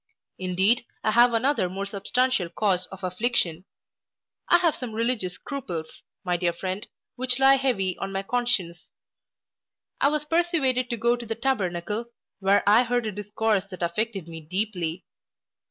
Indeed, I have another more substantial cause of affliction I have some religious scruples, my dear friend, which lie heavy on my conscience. I was persuaded to go to the Tabernacle, where I heard a discourse that affected me deeply.